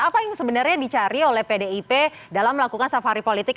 apa yang sebenarnya dicari oleh pdip dalam melakukan safari politik